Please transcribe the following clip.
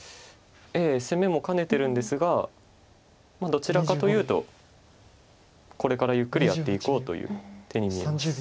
ええ攻めも兼ねてるんですがどちらかというとこれからゆっくりやっていこうという手に見えます。